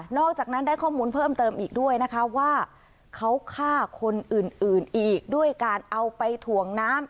อกจากนั้นได้ข้อมูลเพิ่มเติมอีกด้วยนะคะว่าเขาฆ่าคนอื่นอื่นอีกด้วยการเอาไปถ่วงน้ำ